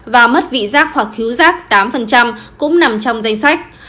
và mất vị rác hoặc khiếu rác tám cũng nằm trong danh sách